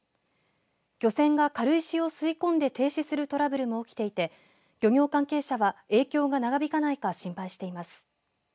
漁船が軽石を吸い込んで停止するトラブルも起きていて漁業関係者は影響が長引かないか心配しています。